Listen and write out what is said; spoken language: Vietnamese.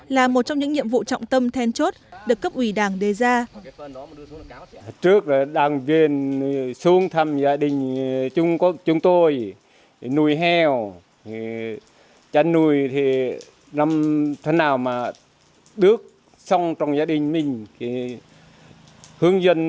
là một trong những nhiệm vụ trọng tâm then chốt được cấp ủy đảng đề ra